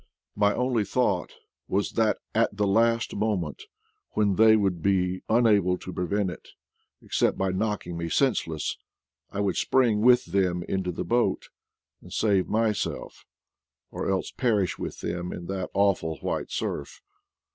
My only thought was that at the last moment, when they would be AT LAST, PATAGONIAl 3 unable to prevent it except by knocking me sense less, I would spring with them into the boat and save myself, or else perish with them in that awful white surf.